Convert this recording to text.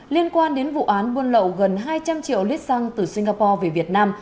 liên quan đến vụ án buôn lậu gần hai trăm linh triệu lít xăng từ singapore về việt nam